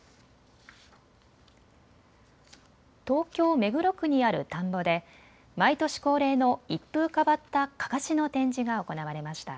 東京目黒区にある田んぼで毎年恒例の一風変わったかかしの展示が行われました。